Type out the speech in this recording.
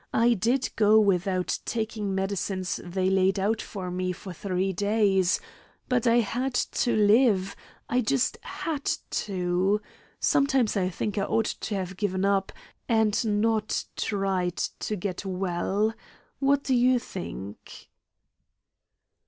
I did go without taking medicines they laid out for me for three days; but I had to live I just had to. Sometimes I think I ought to have given up, and not tried to get well. What do you think?"